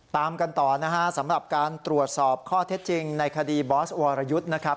ตามกันต่อนะฮะสำหรับการตรวจสอบข้อเท็จจริงในคดีบอสวรยุทธ์นะครับ